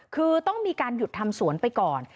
คือต้องมีการหยุดทำสวนไปก่อน